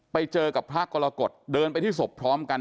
ไปเจอกับพระกรกฎเดินไปที่ศพพร้อมกัน